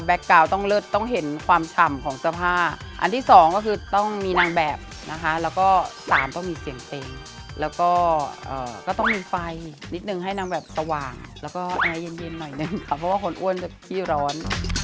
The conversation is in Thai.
กาวต้องเลิศต้องเห็นความฉ่ำของเสื้อผ้าอันที่สองก็คือต้องมีนางแบบนะคะแล้วก็สามต้องมีเสียงเต็งแล้วก็ก็ต้องมีไฟนิดนึงให้นางแบบสว่างแล้วก็แอร์เย็นหน่อยหนึ่งค่ะเพราะว่าคนอ้วนจะขี้ร้อน